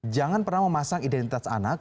jangan pernah memasang identitas anak